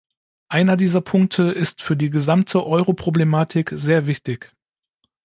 Einer dieser Punkte ist für die gesamte Euro-Problematik sehr wichtig.